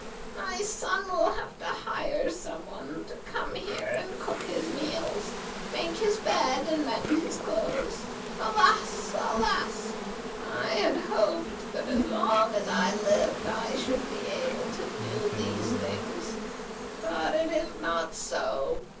My son will have to hire some one to come here and cook his meals, make his bed, and mend his clothes. Alas! alas! I had hoped that as long as I lived I should be able to do these things. But it is not so.